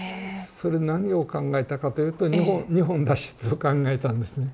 それで何を考えたかというと日本脱出を考えたんですね。